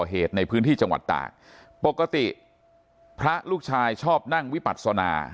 เหตุในพื้นที่จังหวัดตากปกติพระลูกชายชอบนั่งวิปัศนา